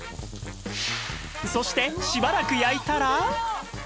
そしてしばらく焼いたら